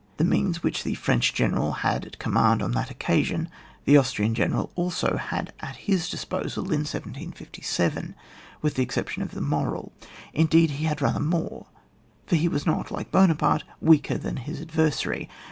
The means which the French general had at com mand on that occasion, the Austrian general had also at his disposal in 1757 (with the exception of the moral), indeed, he had rather more, for he was not, like Buonaparte, weaker than his adversary.